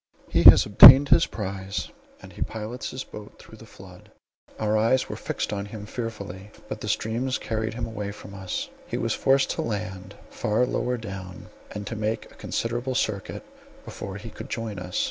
— He has obtained his prize, and he pilots his boat through the flood; our eyes were fixed on him fearfully, but the stream carried him away from us; he was forced to land far lower down, and to make a considerable circuit before he could join us.